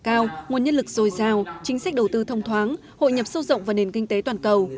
cao nguồn nhân lực dồi dào chính sách đầu tư thông thoáng hội nhập sâu rộng vào nền kinh tế toàn cầu